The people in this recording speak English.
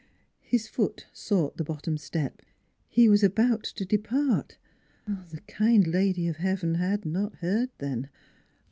His foot sought the bottom step. He was about to depart. ... The kind Lady of Heaven had not heard, then.